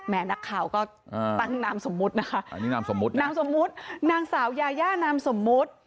แหมนักข่าวก็กับ๕๕๐มานางสาวยานามสมบุตร